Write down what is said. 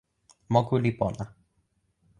moku li pona.